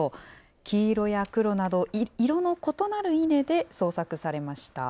黄色や黒など色の異なる稲で創作されました。